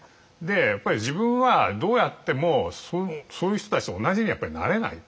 やっぱり自分はどうやってもそういう人たちと同じにはやっぱりなれない。